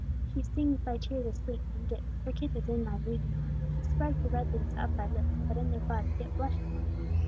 She sings thy tears asleep, and dips Her kisses in thy weeping eye, She spreads the red leaves of thy lips, That in their buds yet blushing lie.